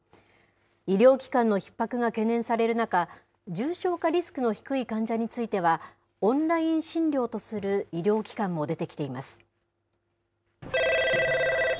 医療機関のひっ迫が懸念される中、重症化リスクの低い患者については、オンライン診療とする医療機関も出てきています。